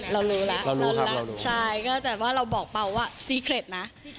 เรารู้แล้วเรารู้แล้วใช่ก็แต่ว่าเราบอกเปล่าว่าซีเครดนะ